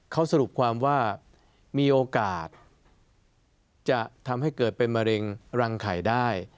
เขาสรุปความว่ามีโอกาสจะทำให้เกิดเป็นมะเร็งรังไข่ได้